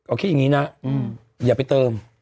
เอาคิดอย่างนี้นะอย่าไปเติม